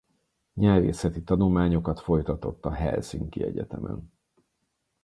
Nyelvészeti tanulmányokat folytatott a Helsinki Egyetemen.